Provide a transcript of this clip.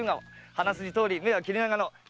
鼻筋とおり目は切れ長の気品漂う